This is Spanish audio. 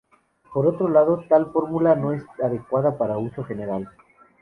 Por otro lado, tal fórmula no es adecuada para uso general.